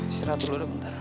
istirahat dulu udah bentaran